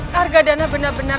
harga dana benar benar